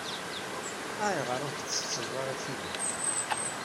Ayɣeṛ ur tsetttteḍ ara tidelt?